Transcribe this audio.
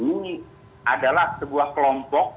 ini adalah sebuah kelompok